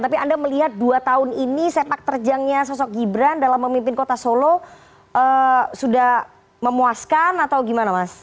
tapi anda melihat dua tahun ini sepak terjangnya sosok gibran dalam memimpin kota solo sudah memuaskan atau gimana mas